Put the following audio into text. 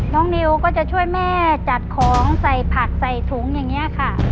นิวก็จะช่วยแม่จัดของใส่ผักใส่ถุงอย่างนี้ค่ะ